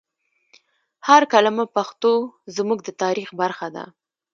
هر کلمه پښتو زموږ د تاریخ برخه ده.